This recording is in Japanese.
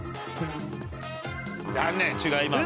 残念違います。